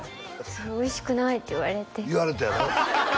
そう「おいしくない」って言われて言われたやろ？